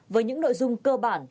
với những nội dung cơ bản căn cốt nhất